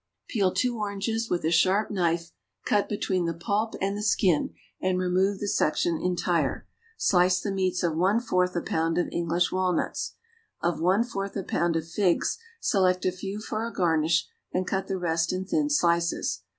_) Peel two oranges; with a sharp knife cut between the pulp and the skin and remove the section entire. Slice the meats of one fourth a pound of English walnuts. Of one fourth a pound of figs select a few for a garnish and cut the rest in thin slices.